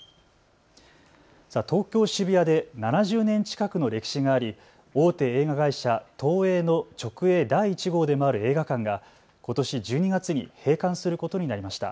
東京渋谷で７０年近くの歴史があり、大手映画会社、東映の直営第１号でもある映画館がことし１２月に閉館することになりました。